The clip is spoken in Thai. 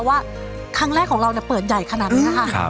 ว่าครั้งแรกของเราเปิดใหญ่ขนาดนี้นะคะ